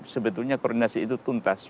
sebetulnya koordinasi itu tuntas